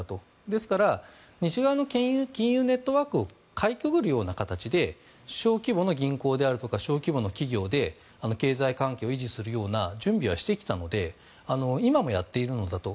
ですから、西側の金融ネットワークをかいくぐる形で小規模の銀行であったり小規模の企業で経済環境を維持するような準備はしてきたので今もやっているのだと。